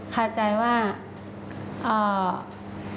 คาใจเหรอคะสิ่งที่คุณแม่คาใจนะคะ